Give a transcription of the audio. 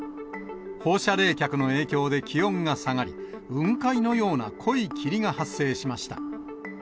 放射冷却の影響で気温が下がり、雲海のような濃い霧が発生しました。